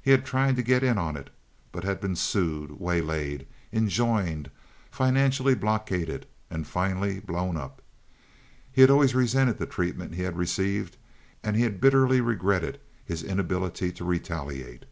He had tried to "get in on it," but had been sued, waylaid, enjoined, financially blockaded, and finally blown up. He had always resented the treatment he had received, and he had bitterly regretted his inability to retaliate.